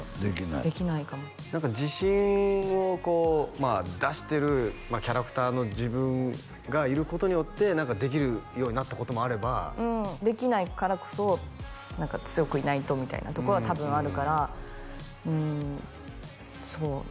できないかも何か自信をこう出してるまあキャラクターの自分がいることによって何かできるようになったこともあればうんできないからこそ何か強くいないとみたいなところは多分あるからうんそうね